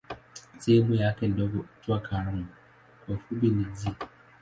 Sehemu yake ndogo huitwa "gramu" kwa kifupi "g".